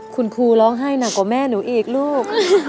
คุณครูร้องไห้หนักกว่าแม่หนูอีกลูก